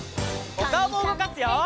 おかおもうごかすよ！